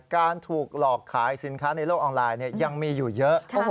การถูกหลอกขายสินค้าในโลกออนไลน์ยังมีอยู่เยอะ